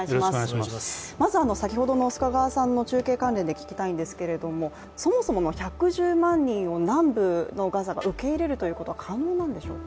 まず、先ほどの中継関連で聞きたいんですけれどもそもそもの１１０万人を南部のガザが受け入れるということは可能なんでしょうか。